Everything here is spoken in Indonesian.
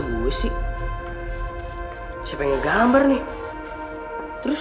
gw dia yang ngirim nomer itu